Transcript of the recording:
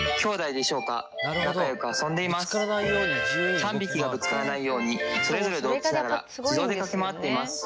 ３匹がぶつからないようにそれぞれ同期しながら自動で駆け回っています。